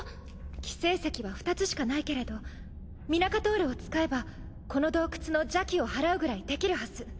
輝聖石は２つしかないけれどミナカトールを使えばこの洞窟の邪気を払うくらいできるはず。